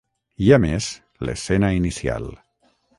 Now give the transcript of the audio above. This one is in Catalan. I, a més, l'escena inicial.